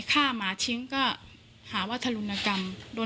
ฆ่าหมาชิ้นก็หาวัตถรุณกรรม